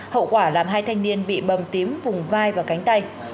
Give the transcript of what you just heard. hậu quả làm hai thanh niên bị bầm tím vùng vai và cánh tay